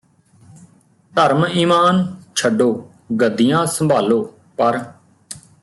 ਧਰਮ ਈਮਾਨ ਛੱਡੋ ਗੱਦੀਆਂ ਸੰਭਾਲੋ ਪਰ